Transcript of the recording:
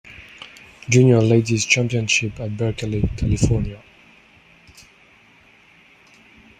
Junior Ladies Championship at Berkeley, California.